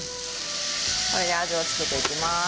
これで味を付けていきます。